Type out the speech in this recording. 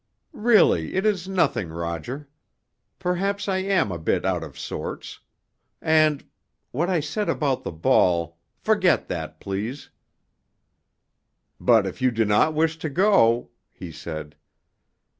"Really it is nothing, Roger. Perhaps I am a bit out of sorts. And—what I said about the ball—forget that, please." "But if you do not wish to go——" he said.